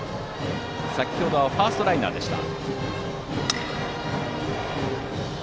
先程はファーストライナーでした。